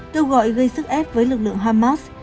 kêu gọi gây sức ép với lực lượng hamas